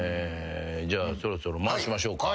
じゃあそろそろ回しましょうか。